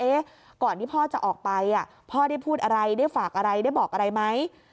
ก่อนที่พ่อจะออกไปพ่อได้พูดอะไรได้ฝากอะไรได้บอกอะไรไหม